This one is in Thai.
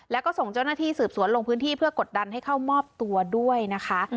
แล้วก็ส่งเจ้าหน้าที่สืบสวนลงพื้นที่เพื่อกดดันให้เข้ามอบตัวด้วยนะคะ